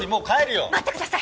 待ってください！